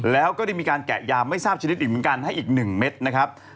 แล้วก็ได้มีการแกะยาไม่ทราบชนิดอีกเหมือนกันให้อีก๑เม็ดนะครับ